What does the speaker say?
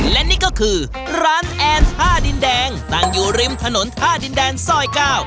และนี่ก็คือร้านแอนท่าดินแดงตั้งอยู่ริมถนนท่าดินแดนซอย๙